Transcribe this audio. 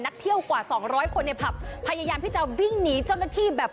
เที่ยวกว่าสองร้อยคนในผับพยายามที่จะวิ่งหนีเจ้าหน้าที่แบบ